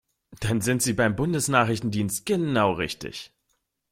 Dann sind Sie beim Bundesnachrichtendienst genau richtig!